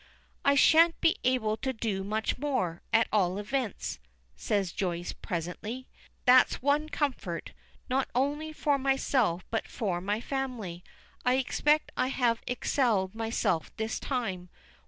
"I shan't be able to do much more, at all events," says Joyce presently. "That's one comfort, not only for myself but for my family. I expect I have excelled myself this time.